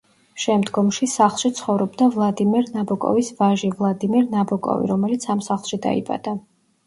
შემდგომში სახლში ცხოვრობდა ვლადიმერ ნაბოკოვის ვაჟი, ვლადიმერ ნაბოკოვი, რომელიც ამ სახლში დაიბადა.